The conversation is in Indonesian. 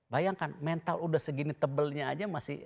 bayangkan mental udah segini tebelnya aja masih